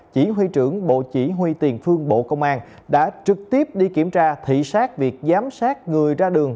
chỉ huy trưởng bộ chỉ huy tiền phương bộ công an đã trực tiếp đi kiểm tra thị xác việc giám sát người ra đường